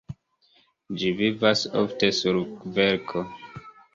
Ĝi vivas ofte sur kverko.